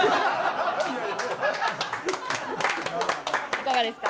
いかがですか。